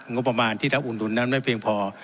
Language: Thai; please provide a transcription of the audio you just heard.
งบประมาณที่เราอุดหนุนนั้นไม่เพียงพอ